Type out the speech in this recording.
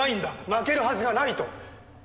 負けるはずがないと。